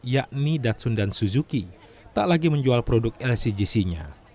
yakni datsun dan suzuki tak lagi menjual produk lcgc nya